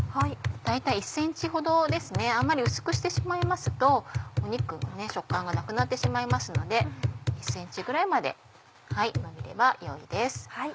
大体１ｃｍほどですねあんまり薄くしてしまいますと肉の食感がなくなってしまいますので１ｃｍぐらいまでのびれば良いです。